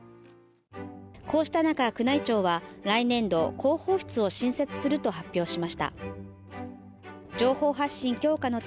こうした中、宮内庁は来年度、広報室を新設すると発表しました。